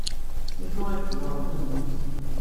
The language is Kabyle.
D acu ay tzemremt ad tgemt?